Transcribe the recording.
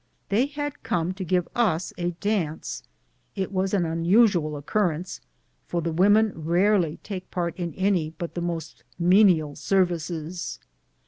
They had come to give us a dance. It was an unusual occurrence, for the women rarely take part in any but the most menial services.